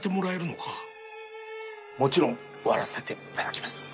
もちろん割らせていただきます。